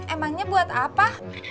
emangnya buat apa